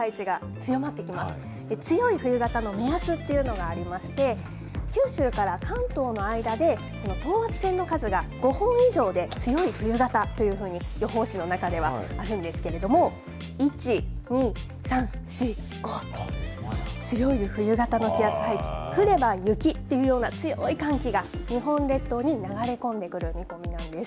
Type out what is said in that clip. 強い冬型の目安っていうのがありまして、九州から関東の間で、等圧線の数が５本以上で強い冬型というふうに予報士の中ではあるんですけれども、１、２、３、４、５と、強い冬型の気圧配置、降れば雪というような強い寒気が、日本列島に流れ込んでくる見込みなんです。